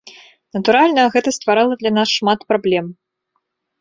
Натуральна, гэта стварала для нас шмат праблем.